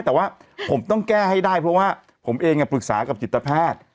แต่ว่าผมต้องแก้ให้ได้เพราะว่าผมเองปรึกษากับจิตแพทย์